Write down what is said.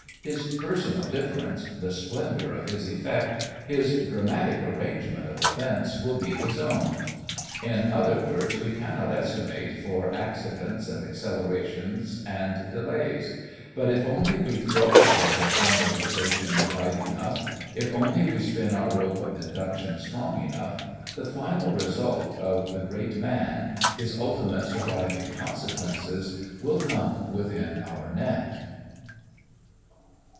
His personal difference, the splendor of his effect, his dramatic arrangement of events will be his own in other words, we cannot estimate for accidents and accelerations and delays; but if only we throw our web of generalization wide enough, if only we spin our rope of induction strong enough, the final result of the great man, his ultimate surviving consequences, will come within our net.